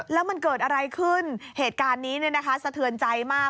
แล้วมันเกิดอะไรขึ้นเหตุการณ์นี้เนี่ยนะคะสะเทือนใจมาก